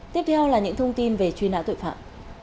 tiếp theo là những thông tin về truy nã tội phạm